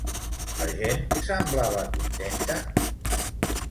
La gent semblava contenta?